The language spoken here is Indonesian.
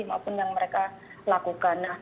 maupun yang mereka lakukan